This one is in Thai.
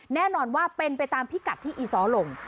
แน่นอนว่าเป็นไปตามพิกัดที่อีซ้อลง